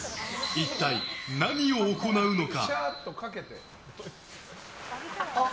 一体、何を行うのか？